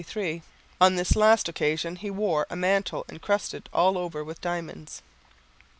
On this last occasion he wore a mantle encrusted all over with diamonds.